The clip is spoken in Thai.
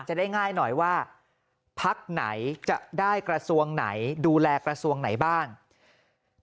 จะได้ง่ายหน่อยว่าพักไหนจะได้กระทรวงไหนดูแลกระทรวงไหนบ้าง